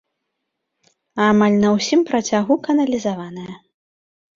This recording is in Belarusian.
Амаль на ўсім працягу каналізаваная.